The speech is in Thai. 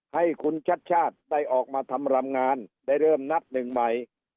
ให้คุณชัดชาติได้ออกมาทำรำงานได้เริ่มนับหนึ่งใหม่